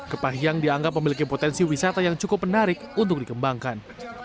kepah hiang dianggap memiliki potensi wisata yang cukup menarik untuk dikembangkan